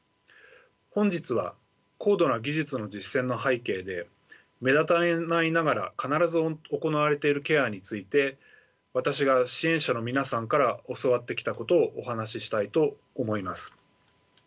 本日は高度な技術の実践の背景で目立たないながら必ず行われているケアについて私が支援者の皆さんから教わってきたことをお話ししたいと思います。